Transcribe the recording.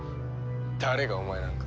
誰がお前なんか。